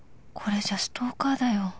これじゃストーカーだよ